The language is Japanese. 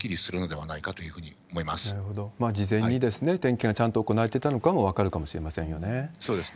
事前に点検がちゃんと行われてたのかも分かるかもしれませんよね。